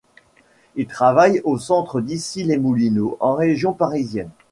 Il travaille au centre d'Issy-les-Moulineaux, en région parisienne.